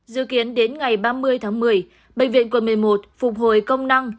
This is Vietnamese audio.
dự kiến đến ngày ba mươi tháng một mươi bệnh viện quận một mươi một phục hồi công năng